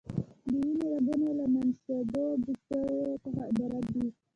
د وینې رګونه له منشعبو ټیوبونو څخه عبارت دي.